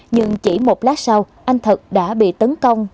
nhưng chỉ một lá sau anh thật đã bị tấn công